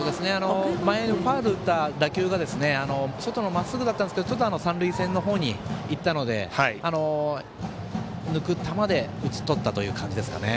前にファウルを打った打球が外のまっすぐだったんですけど三塁線の方に行ったので抜く球で打ち取った感じですかね。